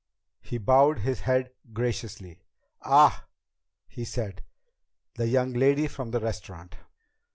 He bowed his head graciously. "Ah," he said, "the young lady from the restaurant."